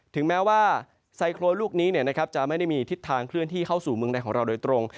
ถึงแม้ว่าไซโครนลูกนี้จะไม่ได้มีทิศทางเคลื่อนที่เข้าสู่เมืองใดของเราโดยตรง